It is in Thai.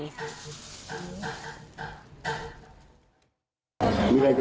พี่น้อง